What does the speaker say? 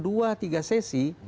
dua tiga sesi